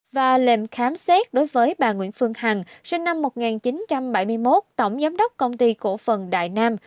và lệnh khám xét đối với bà nguyễn phương hằng sinh năm một nghìn chín trăm bảy mươi một tổng giám đốc công ty cổ phần đại nam